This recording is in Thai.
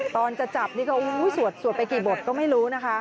ตอนจะจับสวดไปกี่บทก็ไม่รู้นะคะครับ